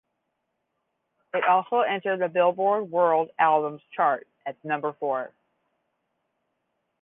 It also entered the "Billboard" World Albums Chart at number four.